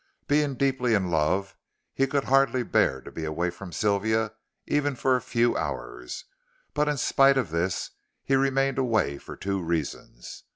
Being deeply in love he could hardly bear to be away from Sylvia even for a few hours: but in spite of this he remained away for two reasons.